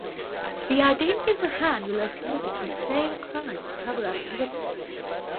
The identical hand will have committed the same crime to cover up evidence.